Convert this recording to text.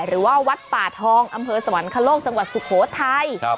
หรือว่าวัดป่าทองอำเภอสวรรคโลกจังหวัดสุโขทัย